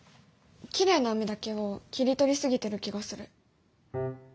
きれいな海だけを切り取り過ぎてる気がする。